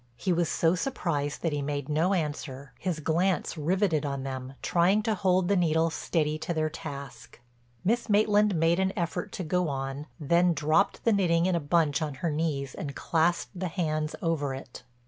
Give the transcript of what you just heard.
He was so surprised that he made no answer, his glance riveted on them trying to hold the needles steady to their task. Miss Maitland made an effort to go on, then dropped the knitting in a bunch on her knees and clasped the hands over it.